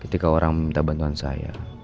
ketika orang meminta bantuan saya